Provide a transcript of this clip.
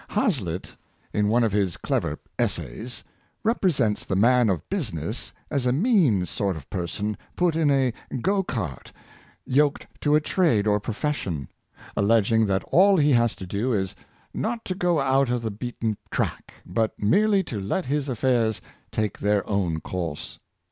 AZLITT, in one of his clever essays, rep resents the man of business as a mean sort of person put in a go cart, yoked to a trade or profession; alleging that all he has to do is, not to go out of the beaten track, but merely to let his affairs take their own course.